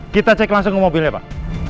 kita cek langsung ke mobilnya pak